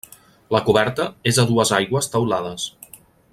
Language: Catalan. La coberta és a dues aigües teulades.